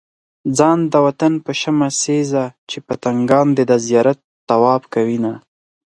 ځان د وطن په شمع سيزه چې پتنګان دې د زيارت طواف کوينه